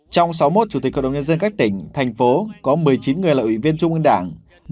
trong sáu mươi một chủ tịch hội đồng nhân dân các tỉnh thành phố có một mươi chín người là ủy viên trung ương đảng